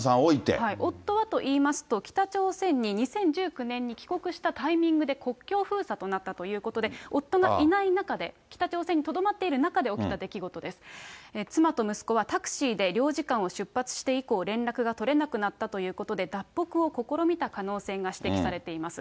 夫はといいますと、北朝鮮に２０１９年に帰国したタイミングで国境封鎖となったということで、夫がいない中で、北朝鮮にとどまっている中で起きた出来事です、妻と息子はタクシーで出発して以降、連絡が取れなくなったということで、脱北を試みた可能性が指摘されています。